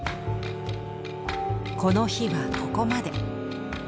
この日はここまで。